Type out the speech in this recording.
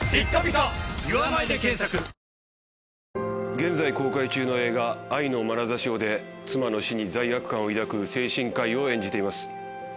現在公開中の映画『愛のまなざしを』で妻の死に罪悪感を抱く精神科医を演じています。